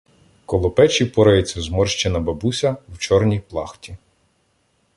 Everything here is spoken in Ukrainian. Коло печі порається зморщена бабуся в чорній плахті.